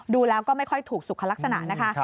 ดูแล้วก็ไม่ค่อยถูกสุขลักษณะนะคะ